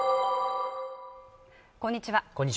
こんにちは